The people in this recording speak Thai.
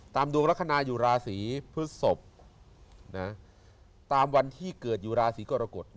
ดวงลักษณะอยู่ราศีพฤศพนะตามวันที่เกิดอยู่ราศีกรกฎ